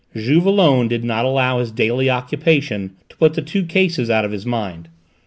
Juve alone did not allow his daily occupation to put the two cases out of his mind.